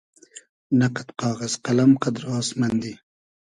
نۂ قئد قاغئز قئلئم قئدراس مئندی